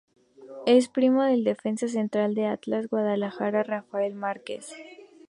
Es primo del defensa central del Atlas de Guadalajara, Rafael Márquez.